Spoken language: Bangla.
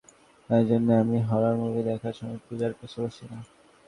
এজন্যই আমি হরর মুভি দেখার সময়, পুজার পাশে বসি না।